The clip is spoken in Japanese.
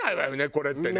これってね。